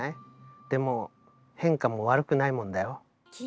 でも変化も悪くないもんだよ。